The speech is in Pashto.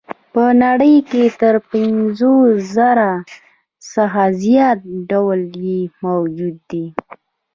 په نړۍ کې له پنځوس زره څخه زیات ډولونه یې موجود دي.